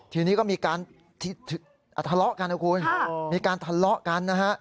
ทีนี้ก็มีการทะเลาะกันนะครับคุณ